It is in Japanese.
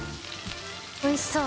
おいしそう。